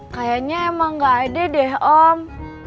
kayaknya emang gak ada deh om